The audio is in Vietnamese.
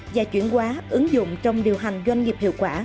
và chuyển quá ứng dụng trong điều hành doanh nghiệp hiệu quả